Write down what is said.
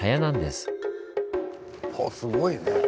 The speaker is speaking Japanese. すごいね。